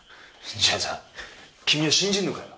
じゃあさ君は信じるのかよ？